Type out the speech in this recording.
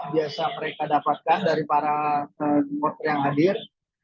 biasa mereka dapatkan dari para supporter yang hadir